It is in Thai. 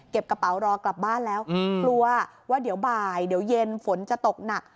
กระเป๋ารอกลับบ้านแล้วกลัวว่าเดี๋ยวบ่ายเดี๋ยวเย็นฝนจะตกหนัก